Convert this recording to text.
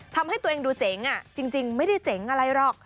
ทำให้ตัวเองดูเจ๋งจริงไม่ได้เจ๋งอะไรหรอก